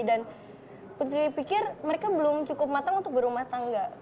dan putri pikir mereka belum cukup matang untuk berumah tangga